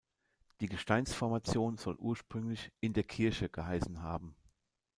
Die Gesteinsformation soll ursprünglich „in der Kirche“ geheißen haben.